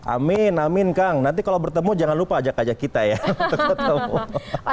amin amin kang nanti kalau bertemu jangan lupa ajak ajak kita ya pastinya terima kasih kang arman